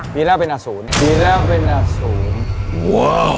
ปีแล้วเป็นอสูรปีแล้วเป็นอสูร